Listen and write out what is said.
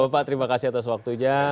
bapak terima kasih atas waktunya